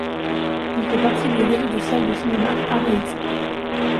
Il fait partie du réseau de salles de cinéma Art et Essai.